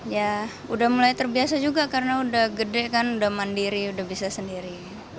ya udah mulai terbiasa juga karena udah gede kan udah mandiri udah bisa sendiri